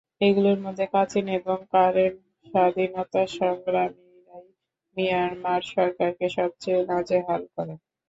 এগুলোর মধ্যে কাচিন এবং কারেন স্বাধীনতাসংগ্রামীরাই মিয়ানমার সরকারকে সবচেয়ে নাজেহাল করে।